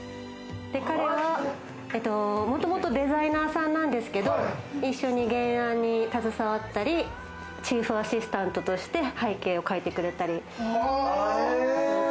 彼は、もともとデザイナーさんなんですけど、一緒に原案に携わったり、チーフアシスタントとして背景を描いてくれたり。